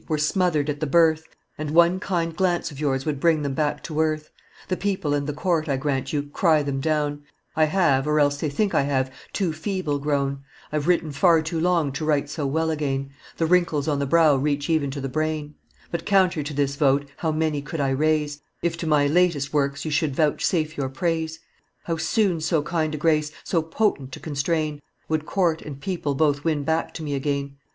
were smothered at the birth, And one kind glance of yours would bring them back to earth; The people and the court, I grant you, cry them down; I have, or else they think I have, too feeble grown; I've written far too long to write so well again; The wrinkles on the brow reach even to the brain; But counter to this vote how many could I raise, If to my latest works you should vouchsafe your praise! How soon so kind a grace, so potent to constrain, Would court and people both win back to me again!